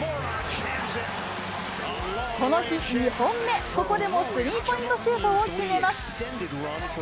この日２本目、ここでもスリーポイントシュートを決めます。